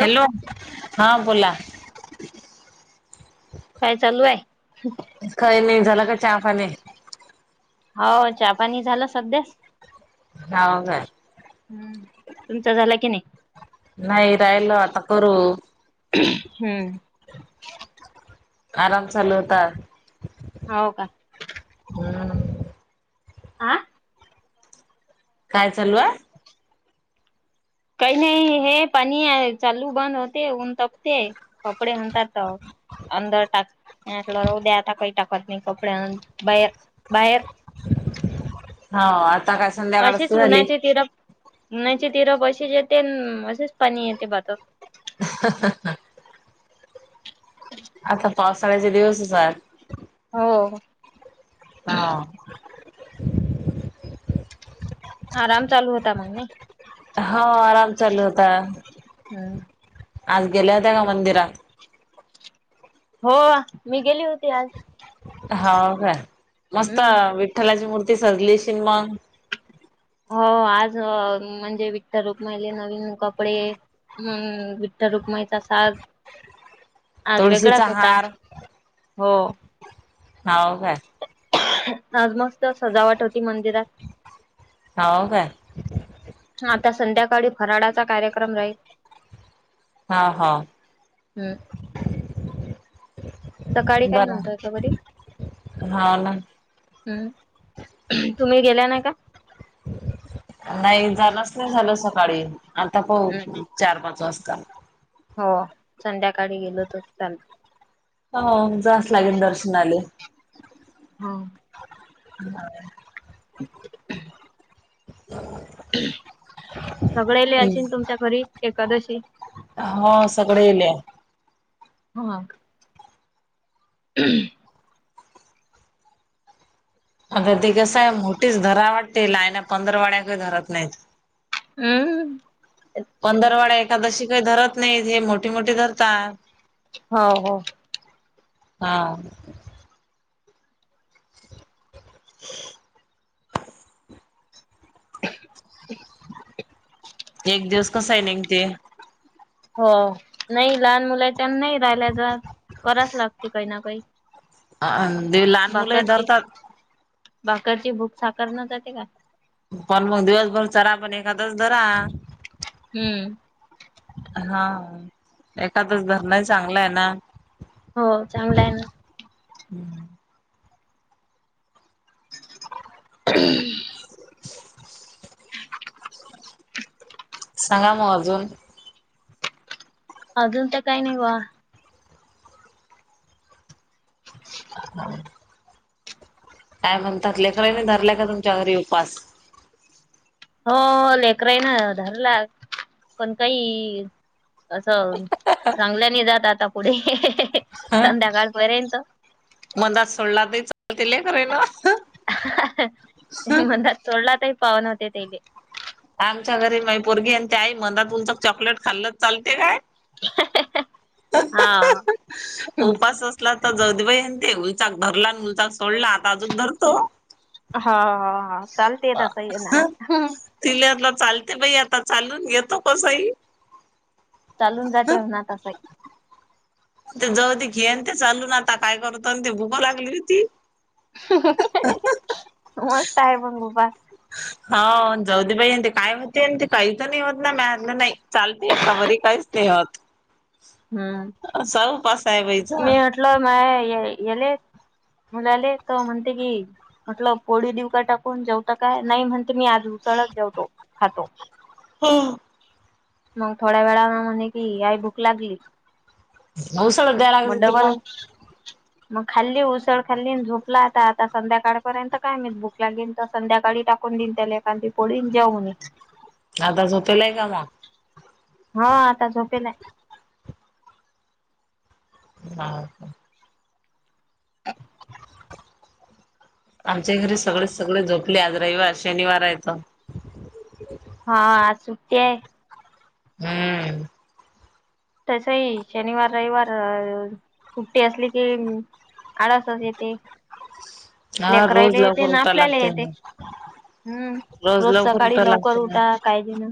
Hello, हां बोला. काय चालू हाय? काही नाही, झालं का चहापाणी? हाव चापानी झालं सध्याच. हाव काय. हम्म, तुमचा झाला की नाही? नाही राहिलं आता करू. [unintelligible] हम्म. आराम चालू होता. हाव का. [unintelligible] आं? काय चालू हाय? काही नाही, हे पाणी चालू बंद होते. ऊन तापते कपडे हाणतात तर. अंदर टाकला रोड्याता काय टाकत. नी कपडे आत बाहेर बाहेर हाव आता काय संध्याकाळच तर झाली. नाय ते [unintelligible] येतेन असेच पाणी येते भातात. [unintelligible] आता पावसाळ्याचे दिवसच हाय. हो. हां. [inaudible] आराम चालू होता मग नई. हो आराम चालू होता. हं. आज गेल्या होत्या का मंदिरात? हो मी गेली होती आज. हो काय, मस्त हम्म विठ्ठलाची मूर्ती सजली शिल मग? हो आज म्हणजे विठ्ठल रुक्माईले नवीन कपडे हं विठ्ठल रुक्माईचा साज आज तुळशीचा वेगळाच होता, हार हो. हाव काय. आज मस्त सजावट होती मंदिरात. हाव काय. आता संध्याकाळी फराडाचा कार्यक्रम राहील. हा हाव. हम्म सकाळी काही नव्हतं आता बरी बरं हाव ना. हम्म तुम्ही गेल्या नाही का? नाही जाणच नाही झालं सकाळी, आता हम्म पाहू चार पाच वाजता. हो संध्याकाळी गेलो तर चालतंय. हो जास्त लागेल दर्शनाले. हो. [unintelligible] [inaudible] [inaudible] [unintelligible] सगळेले अशिन तुमच्या घरी एकादशीन? हो सगळे येले. हो [unintelligible] [unintelligible] आता ती कसं आहे मोठीच धरा वाटते, लायना पंधरवाड्या काय धरत नाहीत. अं? पंधरवाडा एकादशी काही धरत नाहीत हे मोठी मोठीे धरतात. हो हो. हां. एक दिवस कसाही निंघते. हो नाही लहान मुलाच्या नाही राहिला जात, कराच लागते काही ना काही. अ ते लहान मुलंही भाकरची धरतात? भाकरची भूक साखरनं जाते का? पण मग दिवसभर चरा, पण एकादस धरा. हम्म. हां एखादस धरलाय चांगलं आहे ना. हो चांगला हाय ना. हम्म. [unintelligible] सहा वाजून अजून तर काय नाय वा [inaudible] [unintelligible] काय म्हणतात, लेकराणी धरलाय का तुमच्या घरी उपास. हो लेकराही ना धरला पण काही असं चांगल्याने जात आता पुढे, संध्याकाळ पर्यंत. मदांत सोडला तरी चालते लेकरेला. मदांत सोडला तरी पावन होते ते बी. आमच्या घरी माइ पोरगी आहे म्हणते आई मला तुमचं चॉकलेट खाल्ल चालते. हा. हा उपास अस तुला तर जाऊ दे बाई ते उलचाक धरला आणि उलचाक सोडला, आता अजून धरतो. हा हा हा चालतेेय तसही लहान तिला आपलं चालते बाई, आता चालून घेतो कसंही. चालून जातेना तंस ते जाऊदे की, आणि ते चालून आता काय करत ते भुका लागली होती. मस्त आहे मंग उपास. हा जाऊ दे बाई आणि ते काय होते काही तर नाही होत ना मयातन नाही. चालतेय का बरी काहीच नाही होत हम्म. असा उपास आहे बाईचा. कुठलं माय यले मुलाले तर म्हणते की म्हटलं पोळी देऊ का टाकून, जेवता काय नाही म्हणते मी आज उसळच जेवतो खातो. हो. मग थोड्या वेळानं म्हणे कि, आई भूक लागली. उसळचं द्यायला मग लागायचं तिला. डबल मग खाल्ली उसळ खाल्ली झोपला आता, आता संध्याकाळपर्यंत काय माहित भूक लागीन तर संध्याकाळी टाक कोण दिन त्याला कांदे पोळी जाऊनि आता झोपेला काय मगं. हो ता झोपेला आहे. हा. [unintelligible] आमच्या घरी सगळे सगळे झोपले आज रविवार शनिवार आहेे तर हा आज सुट्टी आहे. [unintelligible] तसंही शनिवार रविवार सुट्टी असली की आळसचं येते हा लेकरायला रोज येते, लवकर ना उठायला आपल्याला लागते येते. ना हा रोज लवकर सकाळी उठायला लवकर लागते ना उठा. काय बी नाय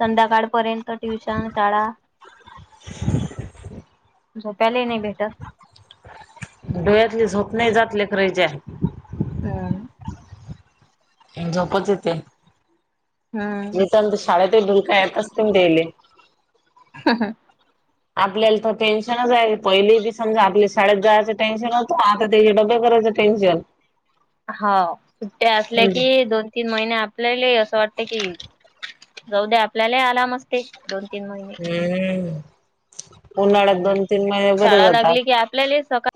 संध्याकाळपर्यंत ट्युशन, शाळा झोपायलाही नाही भेटत. डोळ्यातली झोप नाही जात लेकरांच्या हा झोपच येते. हा [unintelligible] शाळेतही डुलक्या येत असतील ना त्यायले. हा हा. आपल्याला टेन्शनच आहे. पहिले बी समजा आपल्या शाळेत जायचं टेन्शन होतं, आता तेचे डबे करायचे. टेन्शन. हांव सुट्ट्या असल्या की दोन. तीन महिने आपल्याला असं वाटते कि, जाऊदे आपल्याला ही आलाम असते दोन तीन महिने. हम्म उन्हाळ्यात पण दोन तीन महिने बरे शाळा जातात. लागली की आपल्याला सकाळ.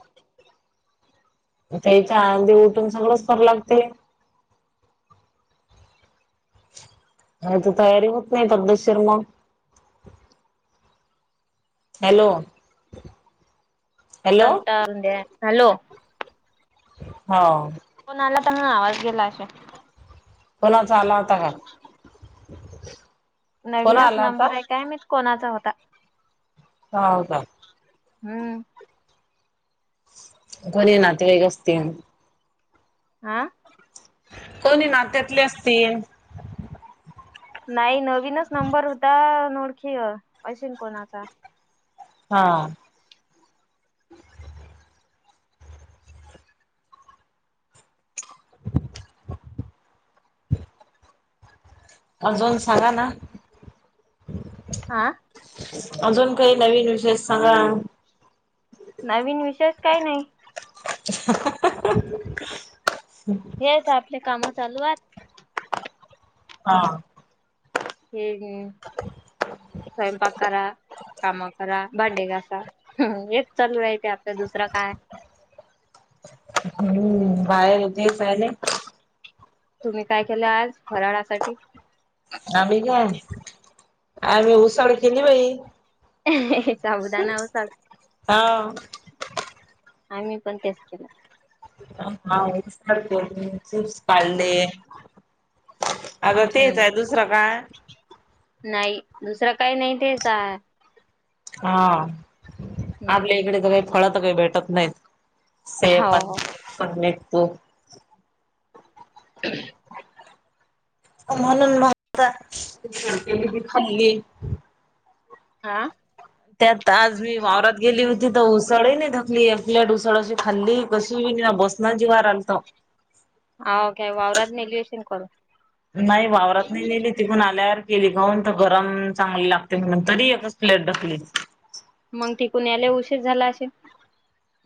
त्या इथे आंधी उठून सगळंच कराल लागते. ह तर तयारी होत नाही पद्धतशीर मग. हॅलो. Hello hello. हो. फोन आला पण, आवाज गेला असेल. कोणाचा आला होता काय. नवीनच नंबर आहे काय माहित कोणाचा होता. हांव का. हम्म. कोणी नातेवाईक असतील. आ. कोणी नात्यातले असतील. नाही नवीनच नंबर होता, अनोळखी असेल कोणाचा. हां. अजून सांगा ना. आं. अजून काही नवीन विशेष सांगा. नवीन विशेष काय नाही. [unintelligible] हेच आपले कामं चालू येतं. हा. हम हम. स्वयंपाक करा. काम करा भांडी घासा हेच चालू राहते, आपलं दुसरं काय. हम्म बाहेर होते पहले. तुम्ही काय केलं आज भराळासाठी. आम्ही होय, आम्ही उसळ केली बाई. साबुदाणा उसळ हांव. आम्ही पण तेच केलं. पाऊस पडतो, म्हणून चिप्स पाडले. हम. नाही दुसरं काय नाही तेचं हाय. हा हम्म. आपल्या इकडं तर काय, फळ काही भेटत नाहीत. हो हो स्वयंपाक [unintelligible] [inaudible] म्हणून मागतात [unintelligible] खाल्ली. आ. त्यात आज मी वावरात गेली होती. तर उसळ ही नाही थाकली आपल्या उसळशी खाल्ली कशी बसं. दाजी वारांलत. आव काय वावरात नेली असेल काढून. नाही वावरातनं नेली ती. पुन्हा आल्यावर केली खाऊन तर गरम चांगली लागते मंग, तरी एकच प्लेट ढकलली. मंग तिकडून यायले उशीर झाला असेल?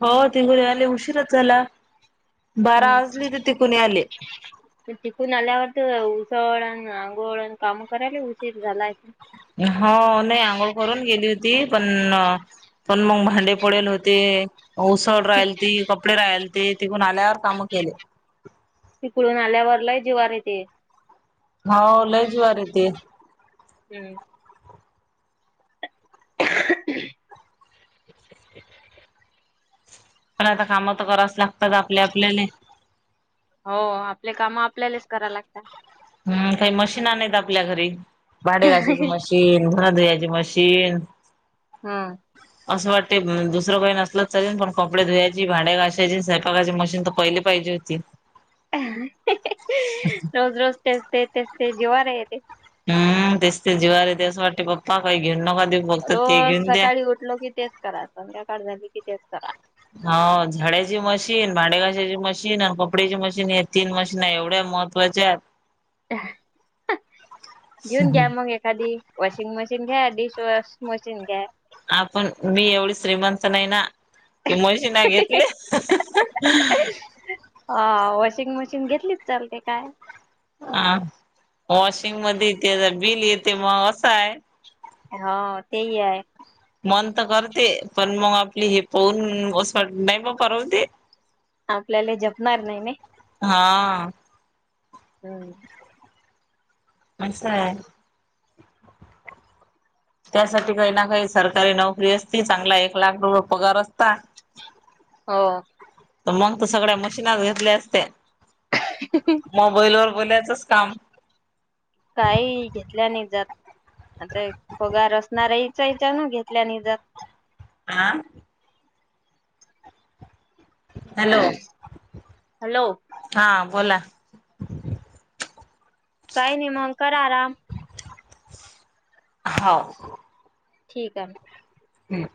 हो टिकून यायले उशीरच झाला, बारा वाजलेते टिकून यायले‌. टिकून आल्यावर तर उसाबरा आणि आंघोळ आणि काम करायला उशीर झालाय. हाव नाही आंघोळ करून गेली होती, पण ना पण मंग भांडे पडेल होते. हाऊस तोल रायती, कपडे राहिलते. टिकून आल्यावर कामं केलेत. तिकडून आल्यावर लय जीवार येते. हाऊ लय जीवावर येते. हुं. [unintelligible] पण आता कामं तर करावेच लागतात आपलं आपल्याले. हो आपले काम आपल्यालेच कराय लागतात. हुं काय मशीन आणायचं आपल्या घरी, भांडी घासायची मशीन धुणं धुवायची मशी तेल हं. असं वाटतंय पण दुसरं काही नसलं चालेल, पण कपडे धुवायची भांडी घासायची आणि स्वयंपाकाची मशीन तर पहिली पाहिजे होती. रोज रोज तेच तेच तेच तेच जीवावर येते. हु दिसतंय जीवावर येते असं वाटतंय बाप्पा काही घेऊ नका देऊ फक्त ते रोज घेऊन द्या सकाळी उठलं की तेच करा, संध्याकाळ झाली की तेच करा. हाव झाडायची मशीन, भांडी घासायची मशीन, कपड्याची मशीन हे तीन मशीन एवढ्या महत् त्त्वाच्या आहेत. घेऊन आहेत. घ्या मंग एखादी. वॉशिंग मशीन घ्या, डिश वॉश मशीन घ्या. हां पण मी एवढी श्रीमंत नाही ना, की मशीना घेतले. [unintelligible] आ वॉशिंग मशीन घेतलीच चालते काय? वॉशिंगमध्ये त्याचं बिल येतंय मग असंय. हो तेही आहे. मन तर करतंय, पण मग आपलं हे पाहून [unintelligible] नाही बा परवडते. आपल्याले झेपणार नाही नाही? हां. हुं. असाय. त्यासाठी काहींना काही सरकारी नोकरी असती, चांगला एक लाख रुपये पगार असता. हो. मग तर सगळ्या मशीनच घेतल्या असत्या. मोबाईलवर बोलायचंच काम. काही घेतल्या नाही जात. आता पगार असणाऱ्या याच्या याच्यानं घेतल्या नई जात. आं? हॅलो, हॅलो हां बोला. काही नाही मग करा आराम. हाव. ठीक हाय. हं.